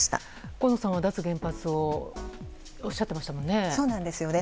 河野さんは脱原発をおっしゃってましたもんね。